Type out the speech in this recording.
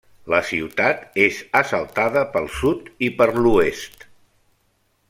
La ciutat és assaltada pel sud i per l'oest.